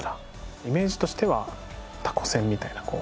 イメージとしてはたこせんみたいなこう。